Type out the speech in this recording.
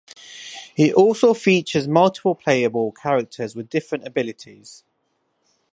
It also features multiple playable characters with different abilities.